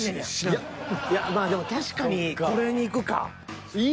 いやまあでも確かにこれにいくか。